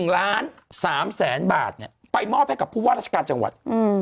๑ล้าน๓แสนบาทไปมอบให้กับผู้ว่าราชการจังหวัด